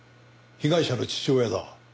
被害者の父親だ。